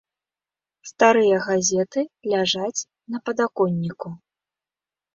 Старыя газеты ляжаць на падаконніку.